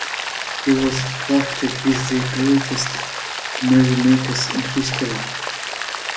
He has partied with the greatest merrymakers in history.